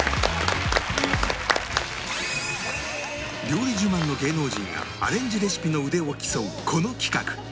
料理自慢の芸能人がアレンジレシピの腕を競うこの企画